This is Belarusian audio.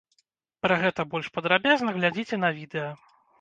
Пра гэта больш падрабязна глядзіце на відэа.